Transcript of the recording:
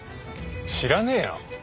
知らねえよ！